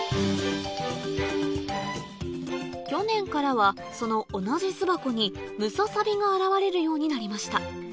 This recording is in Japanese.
去年からはその同じ巣箱にムササビが現れるようになりました